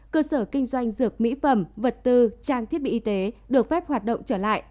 cơ sở kinh doanh dược mỹ phẩm vật tư trang thiết bị y tế được phép hoạt động trở lại